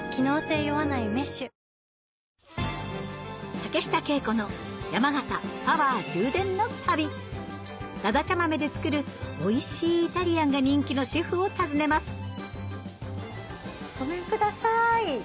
竹下景子の山形パワー充電の旅だだちゃ豆で作るおいしいイタリアンが人気のシェフを訪ねますごめんください。